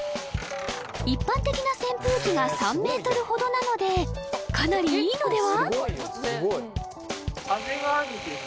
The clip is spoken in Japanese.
一般的な扇風機が３メートルほどなのでかなりいいのでは？